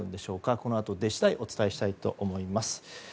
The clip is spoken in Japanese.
このあと出次第お伝えしたいと思います。